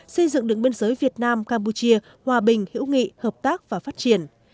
xây dựng đường biên giới việt nam campuchia hòa bình hữu nghị hợp tác và phát triển